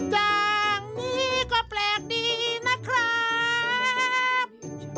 อย่างนี้ก็แปลกดีนะครับ